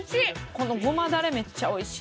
この胡麻だれめっちゃおいしい。